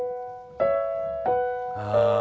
ああ